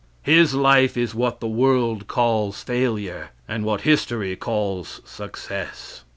His life is what the world calls failure, and what history calls success.